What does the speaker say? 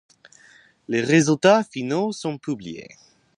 Les résultats finaux sont publiés.